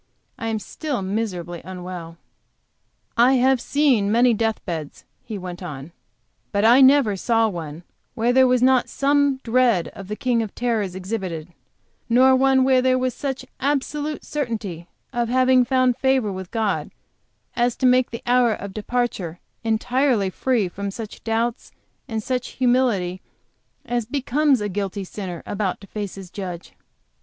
I am still so miserably unwell. "I have seen many death beds," he went on; "but I never saw one where there was not some dread of the King of Terrors exhibited; nor one where there was such absolute certainty of having found favor with God to make the hour of departure entirely free from such doubts and such humility as becomes a guilty sinner about to face his Judge."